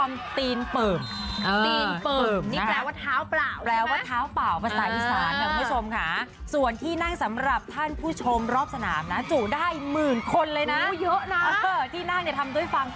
ไม้ไผ่กว่าพันชิ้นเลยนะ